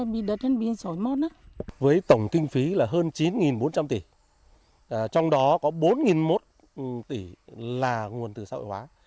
với tổng kinh phí là hơn chín bốn trăm linh tỷ trong đó có bốn một trăm linh tỷ là nguồn từ xã hội hóa